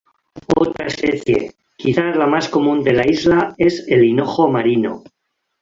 Otra especie, quizá la más común de la isla, es el hinojo marino.